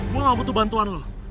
gue gak butuh bantuan loh